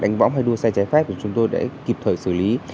đánh võng hay đua xe cháy phép thì chúng tôi đã kịp thời xử lý